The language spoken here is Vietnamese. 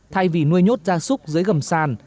thay vì nuôi nhốt gia súc dưới gầm sàn